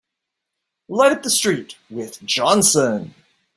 Light up with the street with Johnson!